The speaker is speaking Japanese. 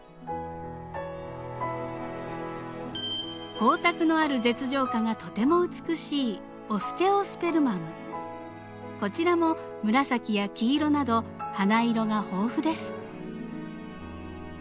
光沢のある舌状花がとても美しいこちらも紫や黄色など花色が豊富です。